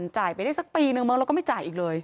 จ่ายไปได้สักปีหนึ่งเมื่อเราก็ไม่จ่ายอีกเลย